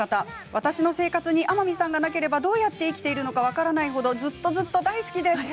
私の生活に天海さんがいなければ、どうやって生きていけばいいか分からないほどずっとずっと大好きです。